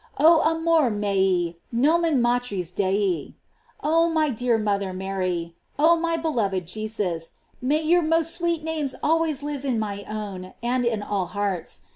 O amor mei nomen matris Dei. Oh my dear mother Mary! oh my beloved Jesus! may your most sweet names always live in my own and in all hearts.